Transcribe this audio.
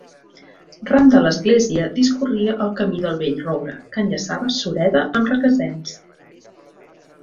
Ran de l'església discorria el Camí del Vell Roure, que enllaçava Sureda amb Requesens.